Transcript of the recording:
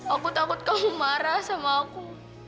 akut takut kamu marah sama aku